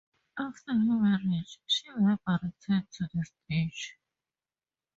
After her marriage, she never returned to the stage.